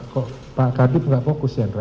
kok pak kadip tidak fokus hendra